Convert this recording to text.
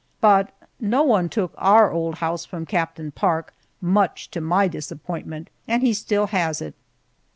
But no one took our old house from Captain Park, much to my disappointment, and he still has it.